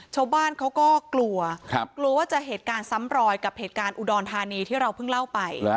ชาวบ้านเขาก็กลัวกลัวว่าจะเหตุการณ์ซ้ำรอยกับเหตุการณ์อุดรธานีที่เราเพิ่งเล่าไป